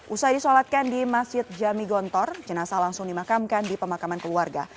usai disolatkan di masjid jami gontor jenazah langsung dimakamkan di pemakaman keluarga